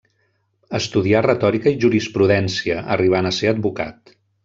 Estudià retòrica i jurisprudència, arribant a ser advocat.